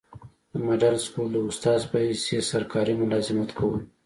دمډل سکول د استاذ پۀ حيث ئي سرکاري ملازمت کولو